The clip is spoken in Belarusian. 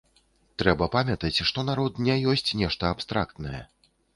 Трэба памятаць, што народ не ёсць штосьці абстрактнае.